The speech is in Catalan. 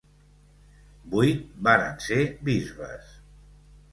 Vuit varen ser bisbes.